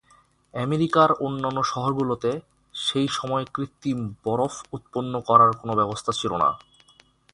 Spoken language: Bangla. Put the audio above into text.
আমেরিকার অন্যান্য শহরগুলোতে সেই সময় কৃত্রিম বরফ উৎপন্ন করার কোনো ব্যবস্থা ছিল না।